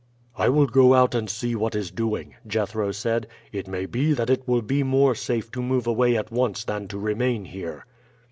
"I will go out and see what is doing," Jethro said. "It may be that it will be more safe to move away at once than to remain here."